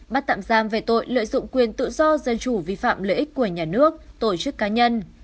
bắt tạm giam về tội lợi dụng quyền tự do dân chủ vi phạm lợi ích của nhà nước tổ chức cá nhân